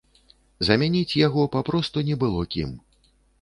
Замяніць яго папросту не было кім.